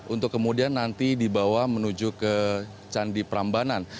untuk kemudian nanti dibawa menuju ke candi prambanan